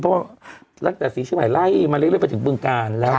พอหลังแต่สีชมไล่มาเรื่อยไปถึงปรึงกาลแล้วแต่